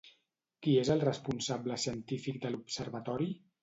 Qui és el responsable científic de l'observatori?